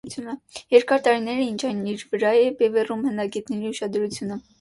Երկար տարիներ է, ինչ այն իր վրա է բևեռում հնագետների ուշադրությունը։